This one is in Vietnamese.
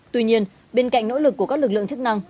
tuy nhiên bên cạnh nỗ lực của các lực lượng chức năng